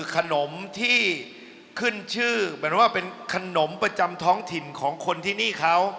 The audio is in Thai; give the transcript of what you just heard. ขนมที่ขึ้นชื่อเหมือนว่าเป็นขนมประจำท้องถิ่นของคนที่นี่เขา